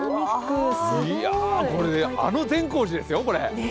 これあの善光寺ですよ、これ。